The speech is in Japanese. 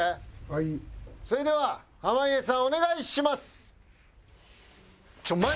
それでは濱家さんお願いします！